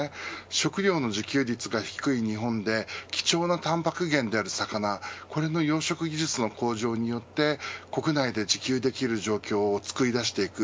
食糧の自給率が低い日本で貴重なたんぱく源である魚これの養殖技術の向上によって国内で自給できる状況をつくり出していく。